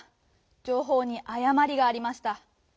じょうほうにあやまりがありました。